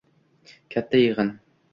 Katta yig‘in.